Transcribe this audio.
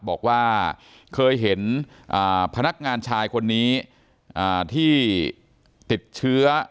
บอกว่าเคยเห็นพนักงานชายคนนี้ที่ติดเชื้อ